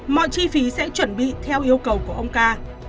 mọi chi phí sẽ chuẩn bị theo yêu cầu của ông ca